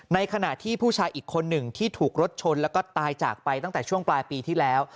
ในขณะที่ผู้ชายอีกคนหนึ่งที่ถูกรถชนแล้วก็ตายจากไปตั้งแต่ช่วงปลายปีที่แล้ว